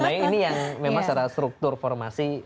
nah ini yang memang secara struktur formasi